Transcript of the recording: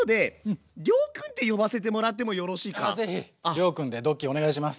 亮くんでドッキーお願いします。